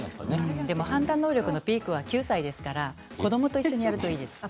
判断能力のピークは９歳ですから子どもと一緒にやればいいと思います。